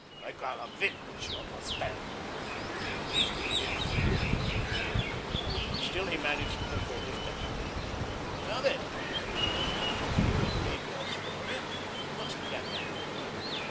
I got a witness, yuh understand!" Mr. Bince did understand, but still he managed to control his temper. "What of it?" he said. "Nobody would believe your story, but let's forget that.